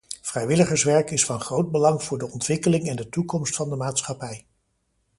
Vrijwilligerswerk is van groot belang voor de ontwikkeling en de toekomst van de maatschappij.